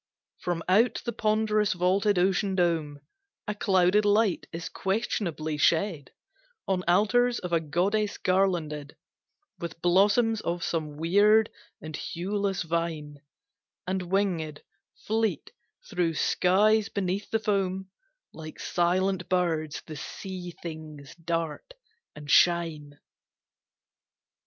From out the ponderous vaulted ocean dome, A clouded light is questionably shed On altars of a goddess garlanded With blossoms of some weird and hueless vine; And wingèd, fleet, through skies beneath the foam, Like silent birds the sea things dart and shine.